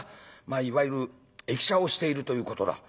まあいわゆる易者をしているということだ」。